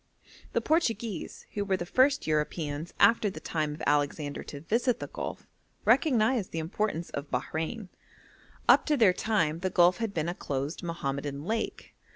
The Portuguese, who were the first Europeans after the time of Alexander to visit the Gulf, recognised the importance of Bahrein. Up to their time the Gulf had been a closed Mohammedan lake.